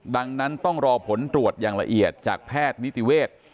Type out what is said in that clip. ดังนั้นต้องรอผลตรวจอย่างละเอียดจากแพทย์นิติเวศ